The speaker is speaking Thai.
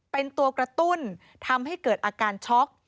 เป็นตัวกระตุ้นทำให้เกิดอาการช็อก